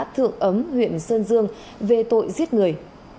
thượng ấm huyện sơn dương về tội giết người